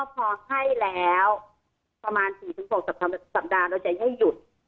พอให้ประมาณ๔๖สัปดาห์จะให้หยุด